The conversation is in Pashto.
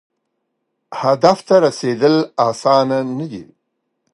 هدف ته رسیدل اسانه نه دي.